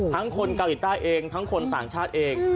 คนเกาหลีใต้เองทั้งคนต่างชาติเอง